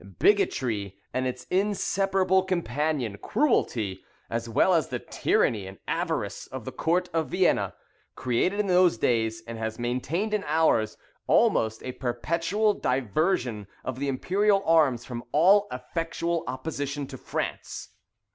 Bigotry, and its inseparable companion, cruelty, as well as the tyranny and avarice of the court of Vienna, created in those days, and has maintained in ours, almost a perpetual diversion of the imperial arms from all effectual opposition to France.